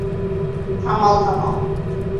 থামাও, থামাও!